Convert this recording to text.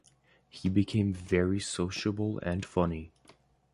He became very sociable and funny.